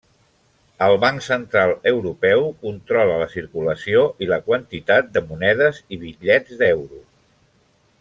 El Banc Central Europeu controla la circulació i la quantitat de monedes i bitllets d'euro.